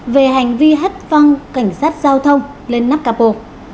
về hành vi hất văng cảnh sát giao thông lên nắp cà bồ